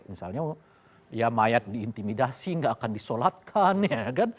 misalnya ya mayat diintimidasi nggak akan disolatkan ya kan